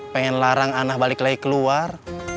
pengen larang anak balik lagi keluar